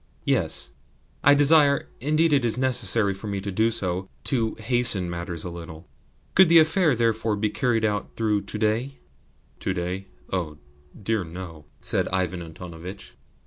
"Yes. I desire indeed, it is necessary for me so to do to hasten matters a little. Could the affair, therefore, be carried through to day?" "To day? Oh, dear no!" said Ivan Antonovitch.